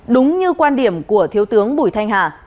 đúng như quan điểm của thiếu tướng bùi thanh hà